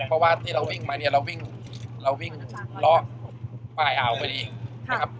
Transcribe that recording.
เพราะว่าที่เราวิ่งมาเนี่ยเราวิ่งรอบปลายอ่าวไปดีนะครับ